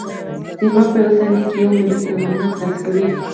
دماغ په یوه ثانیه کې یو ملیون پیغامونه ترلاسه کوي.